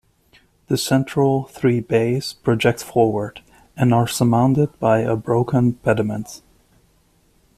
The central three bays project forward and are surmounted by a broken pediment.